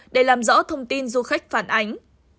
để làm rõ thông tin du khách phản ánh